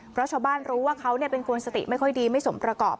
เพราะชาวบ้านรู้ว่าเขาเป็นคนสติไม่ค่อยดีไม่สมประกอบ